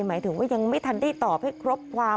หมายถึงว่ายังไม่ทันได้ตอบให้ครบความ